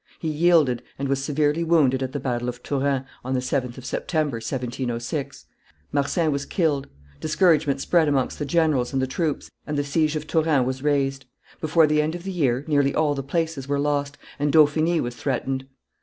He yielded, and was severely wounded at the battle of Turin, on the 7th of September, 1706; Marsin was killed, discouragement spread amongst the generals and the troops, and the siege of Turin was raised; before the end of the year, nearly all the places were lost, and Dauphiny was threatened.